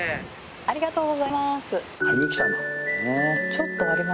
ありがとうございます。